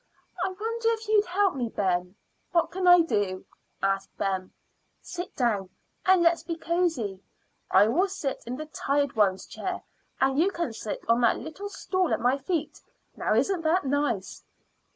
"I wonder if you'd help me, Ben." "What can I do?" asked Ben. "Sit down, and let's be cozy. I will sit in the tired one's chair, and you can sit on that little stool at my feet. Now isn't that nice?"